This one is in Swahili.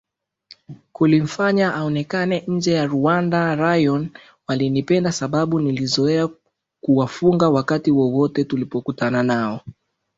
kulimfanya aonekane nje ya RwandaRayon walinipenda sababu nilizoea kuwafunga wakati wowote tulipokutana nao